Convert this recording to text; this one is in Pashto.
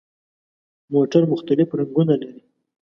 موټر مختلف رنګونه لري.